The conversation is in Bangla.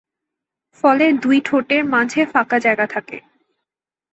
ফলে দুই ঠোঁটের মাঝে ফাঁকা জায়গা থাকে।